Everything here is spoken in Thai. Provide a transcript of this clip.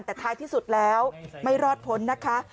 แต่ท้ายที่สุดแล้วไม่รอดพ้นนะคะ